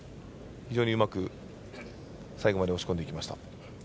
非常にうまく最後まで押し込んでいきました。